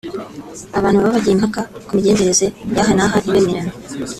abantu baba bagiye impaka ku migenzereze y’aha n’aha ntibemeranwe